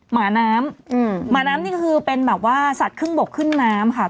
หมาน้ำอืมหมาน้ำนี่ก็คือเป็นแบบว่าสัตว์ครึ่งบกครึ่งน้ำค่ะ